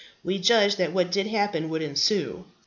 We judged that what did happen would ensue.